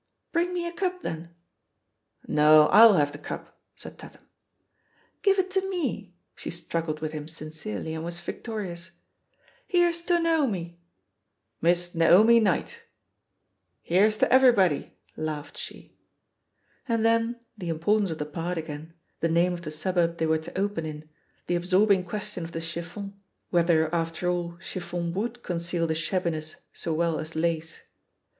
"Bring me a cup, thenl" "No, rU have the cup," said Tatham. "Give it to mer She struggled with him sin cerely, and was victorious, "Here's to Naomi 1" "Miss Naomi Knight I" "Here's to everybody T* laughed she. And then, the importance of the part again, the name of the suburb they were to "open" in, the absorbing question of the "chiffon," whether, after all, chiffon would conceal the shabbiness so well as lace.